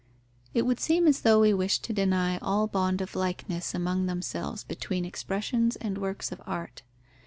_ It would seem as though we wished to deny all bond of likeness among themselves between expressions and works of art.